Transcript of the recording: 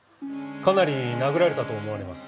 かなり殴られたと思われます。